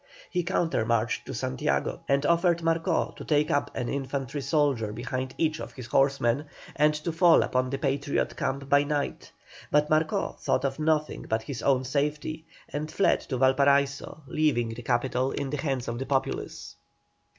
He countermarched to Santiago, and offered Marcó to take up an infantry soldier behind each of his horsemen, and to fall upon the Patriot camp by night; but Marcó thought of nothing but his own safety, and fled to Valparaiso, leaving the capital in the hands of the populace.